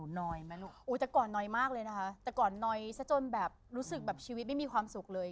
น้อยไหมลูกโอ้แต่ก่อนน้อยมากเลยนะคะแต่ก่อนน้อยซะจนแบบรู้สึกแบบชีวิตไม่มีความสุขเลย